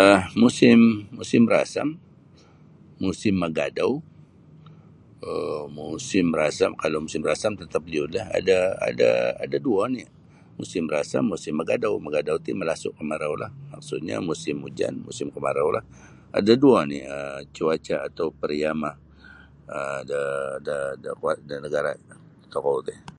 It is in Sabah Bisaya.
um Musim musim rasam musim magadau um musim rasam kalau musim rasam tatap liudlah ada ada ada duo oni' musim rasam musim magadau magadau ti malasu' kemaraulah maksudnyo musim hujan musim kamaraulah ada duo oni um cuaca' atau pariama' um da da kuo da nagara' tokou ti.